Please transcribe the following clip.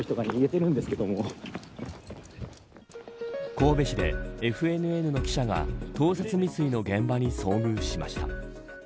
神戸市でＦＮＮの記者が盗撮未遂の現場に遭遇しました。